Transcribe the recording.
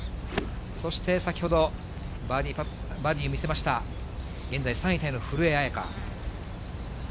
そして先ほど、バーディーを見せました、現在３位タイの古江彩佳。